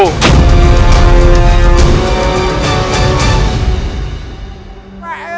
tidak akan ibunda